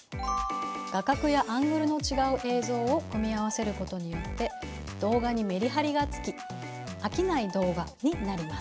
画角やアングルのちがう映像を組み合わせることによって動画にメリハリがつきあきない動画になります。